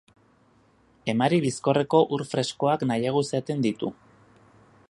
Emari bizkorreko ur freskoak nahiago izaten ditu.